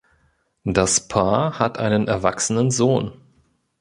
Das Paar hat einen erwachsenen Sohn.